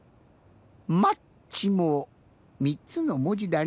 「マッチ」も３つのもじだね。